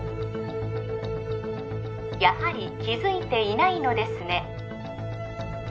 やはり気づいていないのですね